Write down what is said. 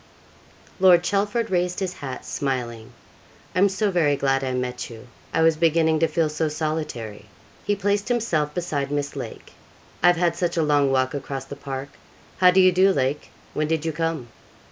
Lord Chelford raised his hat, smiling: 'I am so very glad I met you, I was beginning to feel so solitary!' he placed himself beside Miss Lake. 'I've had such a long walk across the park. How do you do, Lake? when did you come?'